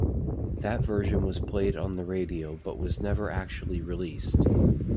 That version was played on the radio but was never actually released.